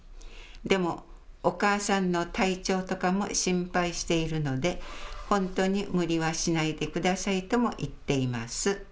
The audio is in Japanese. でもお母さんの体調とかも心配しているのでほんとに無理はしないでくださいとも言っています。